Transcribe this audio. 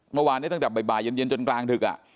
เมื่อวานนี้ตั้งแต่บ่ายเย็นจนกลางดึก